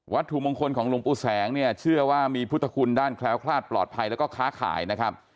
ถูกมงคลของหลวงปู่แสงเนี่ยเชื่อว่ามีพุทธคุณด้านแคล้วคลาดปลอดภัยแล้วก็ค้าขายนะครับ